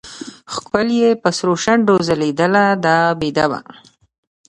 ښکل يې په سرو شونډو ځلېدله دا بېده وه.